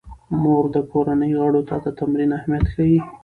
مور د کورنۍ غړو ته د تمرین اهمیت ښيي.